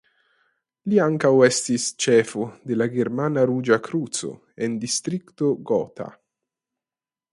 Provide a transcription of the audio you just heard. Li ankaŭ estis ĉefo de la Germana Ruĝa Kruco en Distrikto Gotha.